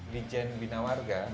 di jen bina warga